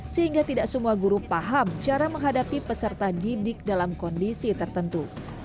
sehingga tidak semua guru paham cara menghadapi peserta didik dalam kondisi tertentu